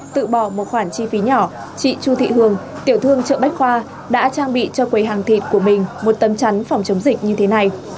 tự bỏ một khoản chi phí nhỏ chị chu thị hường tiểu thương chợ bách khoa đã trang bị cho quầy hàng thịt của mình một tấm chắn phòng chống dịch như thế này